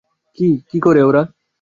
কী করে ওরা?